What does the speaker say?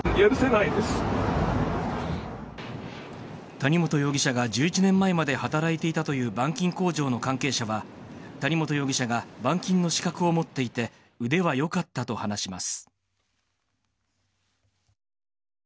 谷本容疑者が１１年前まで働いていたという板金工場の関係者は谷本容疑者が板金の資格を持っていて腕はよかったと話します。